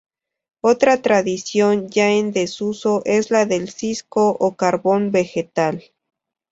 Otra tradición ya en desuso es la del cisco o carbón vegetal.